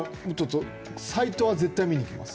サイトは絶対見に行きます。